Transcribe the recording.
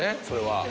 それは。